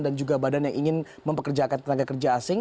dan juga badan yang ingin mempekerjakan tenaga kerja asing